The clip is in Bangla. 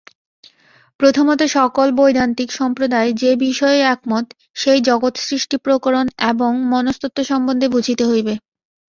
প্রথমত সকল বৈদান্তিক সম্প্রদায় যে-বিষয়ে একমত, সেই জগৎসৃষ্টিপ্রকরণ এবং মনস্তত্ত্ব সম্বন্ধে বুঝিতে হইবে।